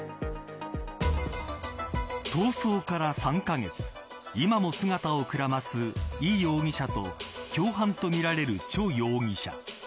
逃走から３カ月今も姿をくらますイ容疑者と、共犯とみられるチョ容疑者。